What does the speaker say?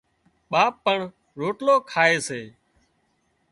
ٻاپ پڻ روٽلو کائي سي